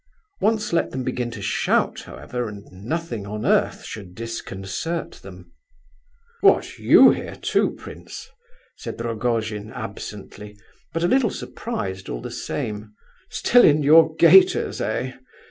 Once let them begin to shout, however, and nothing on earth should disconcert them. "What, you here too, prince?" said Rogojin, absently, but a little surprised all the same "Still in your gaiters, eh?"